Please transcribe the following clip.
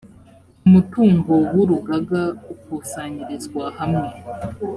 umutungo w’ urugaga ukusanyirizwa hamwe.